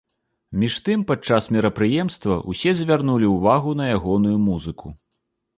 Між тым падчас мерапрыемства ўсе звярнулі ўвагу на ягоную музыку.